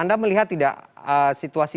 kita melihat tidak situasi